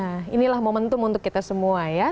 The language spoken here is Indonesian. nah inilah momentum untuk kita semua ya